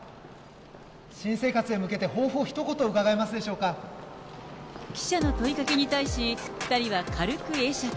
新生活へ向けて、記者の問いかけに対し、２人は軽く会釈。